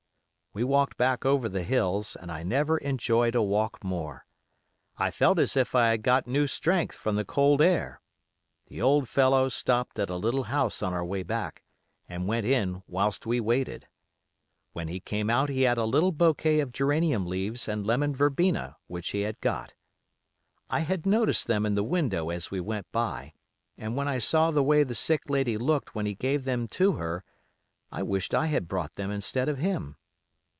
We walked back over the hills, and I never enjoyed a walk more. I felt as if I had got new strength from the cold air. The old fellow stopped at a little house on our way back, and went in whilst we waited. When he came out he had a little bouquet of geranium leaves and lemon verbena which he had got. I had noticed them in the window as we went by, and when I saw the way the sick lady looked when he gave them to her, I wished I had brought them instead of him.